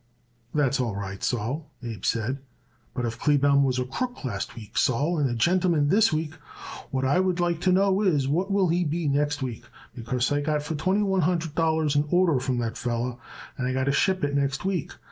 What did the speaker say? "That's all right, Sol," Abe said, "but if Kleebaum was a crook last week, Sol, and a gentleman this week, what I would like to know is, what he will be next week, because I got for twenty one hundred dollars an order from that feller and I got to ship it next week.